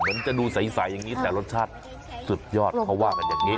เหมือนจะดูใสอย่างนี้แต่รสชาติสุดยอดเขาว่ากันอย่างนี้